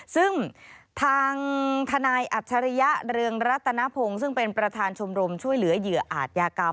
ซึ่งทางทนายอัจฉริยะเรืองรัตนพงศ์ซึ่งเป็นประธานชมรมช่วยเหลือเหยื่ออาจยากรรม